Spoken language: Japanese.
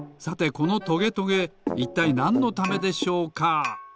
さてこのトゲトゲいったいなんのためでしょうか？